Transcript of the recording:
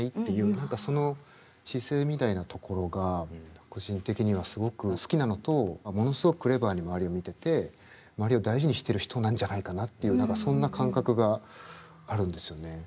何かその姿勢みたいなところが個人的にはすごく好きなのとものすごくクレバーに周りを見てて周りを大事にしてる人なんじゃないかなっていう何かそんな感覚があるんですよね。